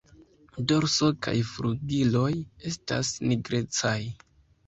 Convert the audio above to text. Dorso kaj flugiloj estas nigrecaj.